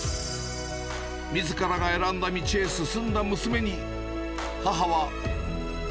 みずからが選んだ道へ進んだ娘に、母は。